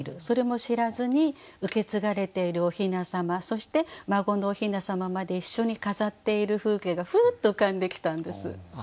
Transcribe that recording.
それも知らずに受け継がれているおひなさまそして孫のおひなさままで一緒に飾っている風景がふっと浮かんできたんです。